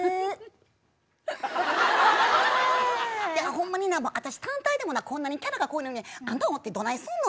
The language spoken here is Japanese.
ホンマにな私単体でもなこんなにキャラが濃いのにあんたおってどないすんの！